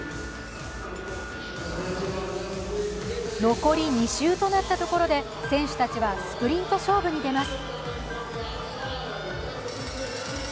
残り２周となったところで選手たちはスプリント勝負に出ます。